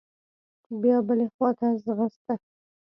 بيا بلې خوا ته ځغسته.